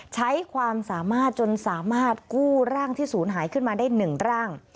ใช้ความสามารถจนสามารถกู้ร่างที่ศูนย์หายขึ้นมาได้๑ร่าง